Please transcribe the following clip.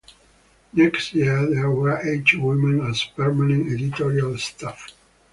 Next year there were eight women as permanent editorial staff.